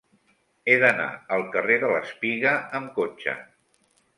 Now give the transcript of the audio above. He d'anar al carrer de l'Espiga amb cotxe.